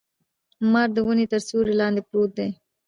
مار د ونې تر سیوري لاندي پروت دی.